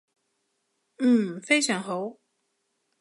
嗯，非常好